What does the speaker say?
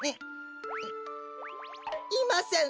いません！